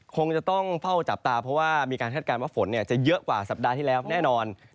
คงจะต้องเฝ้าจับตาเพราะว่ามีการคาดการณ์ว่าฝนจะเยอะกว่าสัปดาห์ที่แล้วแน่นอน